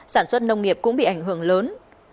sản xuất nông nghiệp cũng bị ảnh hưởng lớn